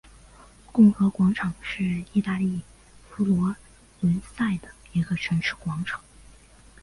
共和广场是意大利佛罗伦萨的一个城市广场。